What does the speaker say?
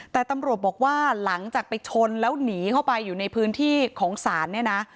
แต่ตำรวจบอกว่าหลังจากไปชนแล้วหนีเข้าไปอยู่ในพื้นที่ของศาลเนี่ยนะ